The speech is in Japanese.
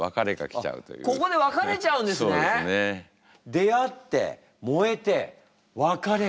出会ってもえて別れる。